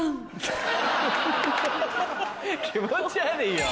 気持ち悪いよ。